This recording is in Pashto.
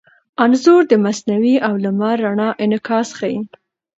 انځور د مصنوعي او لمر رڼا انعکاس ښيي.